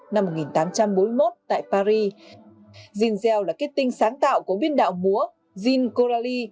năm một nghìn tám trăm bốn mươi một tại paris jean gell là kết tinh sáng tạo của biên đạo múa jean corali